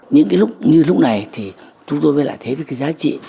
những cái lúc như lúc này thì chúng tôi mới lại thấy được cái giá trị